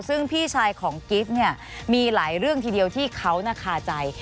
ซึ่งพี่ชายของกิฟต์เนี่ยมีหลายเรื่องทีเดียวที่เขาน่าคาใจ